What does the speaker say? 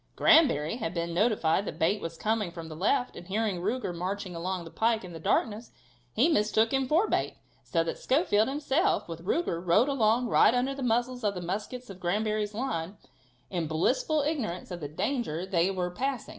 Granbury had been notified that Bate was coming from the left, and hearing Ruger marching along the pike in the darkness, he mistook him for Bate, so that Schofield himself, with Ruger, rode along right under the muzzles of the muskets of Granbury's line, in blissful ignorance of the danger they were passing.